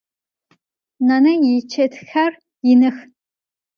Nane yiçetxer yinıx.